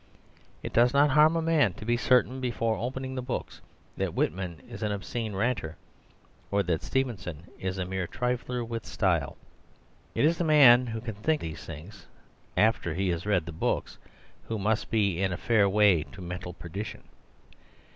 It does not harm a man to be certain before opening the books that Whitman is an obscene ranter or that Stevenson is a mere trifler with style. It is the man who can think these things after he has read the books who must be in a fair way to mental perdition.